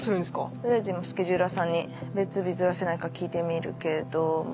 取りあえず今スケジューラーさんに別日ずらせないか聞いてみるけども。